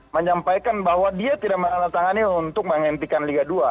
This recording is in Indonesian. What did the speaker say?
menyampaikan bahwa dia tidak menandatangani untuk menghentikan liga dua